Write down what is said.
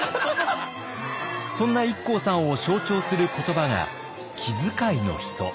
そんなＩＫＫＯさんを象徴する言葉が「気遣いの人」。